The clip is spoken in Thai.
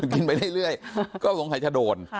กินไปได้เรื่อยก็หวงใครจะโดน